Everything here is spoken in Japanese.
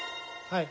はい。